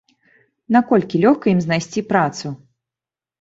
Наколькі лёгка ім знайсці працу?